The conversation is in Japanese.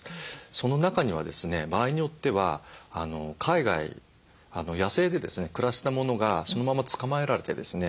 その中にはですね場合によっては海外野生でですね暮らしてたものがそのまま捕まえられてですね